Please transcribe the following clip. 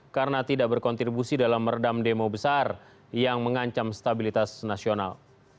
karena tidak berkontribusi dalam meredam demo besar yang mengancam stabilitas nasional